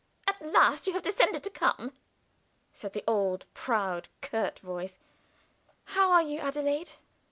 "At last you have condescended to come," said the old proud, curt voice. "How are you, Adelaide?"